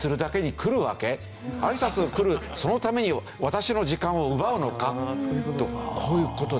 挨拶に来るそのために私の時間を奪うのかとこういう事で。